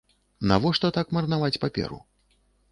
Навошта так марнаваць паперу?